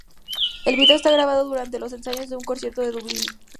El video está grabado durante los ensayos de un concierto en Dublín.